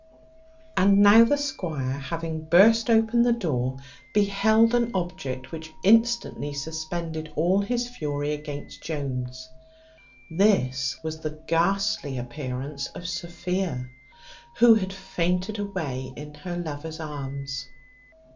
And now the squire, having burst open the door, beheld an object which instantly suspended all his fury against Jones; this was the ghastly appearance of Sophia, who had fainted away in her lover's arms.